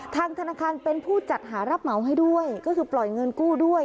ทางธนาคารเป็นผู้จัดหารับเหมาให้ด้วยก็คือปล่อยเงินกู้ด้วย